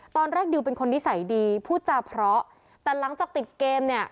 ดิวเป็นคนนิสัยดีพูดจาเพราะแต่หลังจากติดเกมเนี่ย